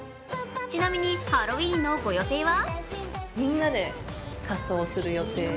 ちなみにハロウィーンのご予定は？